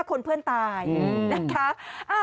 คนเพื่อนตายนะคะ